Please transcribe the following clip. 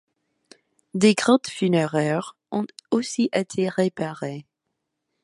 Des grottes funéraires ont aussi été repérées.